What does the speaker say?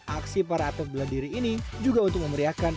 aksi para atlet berlendiri ini juga untuk memeriahkan